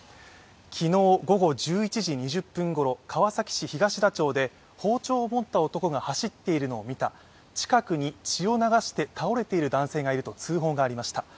昨日午後１１時２０分ごろ、川崎市東田町で、包丁を持った男が走っているのを見た、近くに血を流して倒れている男性がいると通報がありました。